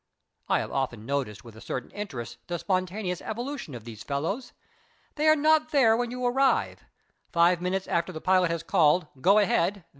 I have often noticed with a certain interest the spontaneous evolution of these fellows. They are not there when you arrive; five minutes after the pilot has called "Go ahead!"